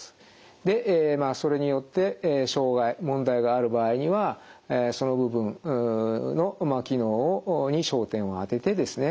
でそれによって障害問題がある場合にはその部分の機能に焦点を当ててですね